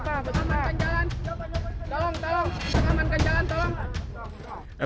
tolong tolong selamatkan jalan